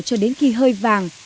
cho đến khi hơi vàng